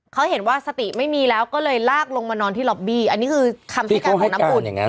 เขาเห็นว่าสติไม่มีแล้วก็เลยลากลงมานอนที่ล็อบบี้อันนี้คือคำให้การของน้ำอุ่น